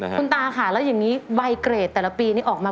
คุณตาค่ะแล้วอย่างนี้ใบเกรดแต่ละปีนี้ออกมา